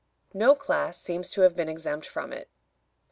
No class seems to have been exempt from it.